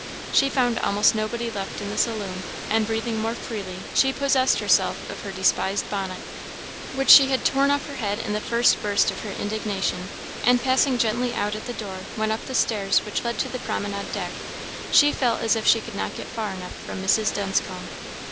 She found almost nobody left in the saloon and, breathing more freely, she possessed herself of her despised bonnet, which she had torn off her head in the first burst of her indignation, and passing gently out at the door, went up the stairs which led to the promenade deck she felt as if she could not get far enough from Mrs. Dunscombe.